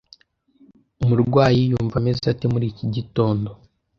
Umurwayi yumva ameze ate muri iki gitondo?